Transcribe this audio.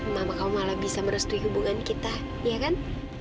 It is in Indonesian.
mama kau malah bisa merestui hubungan kita ya kan